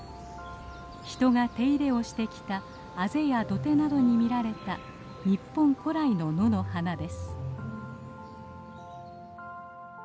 人が手入れをしてきたあぜや土手などに見られた日本古来の野の花です。